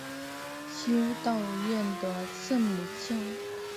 修道院的圣母像。